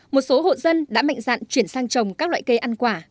một số hộ dân đã mạnh dạn chuyển sang trồng các loại cây ăn quả